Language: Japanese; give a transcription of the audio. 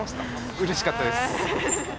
うれしかったです。